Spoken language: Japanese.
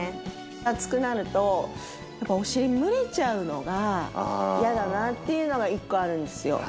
暑くなるとやっぱりお尻蒸れちゃうのが嫌だなっていうのが一個あるんですよ。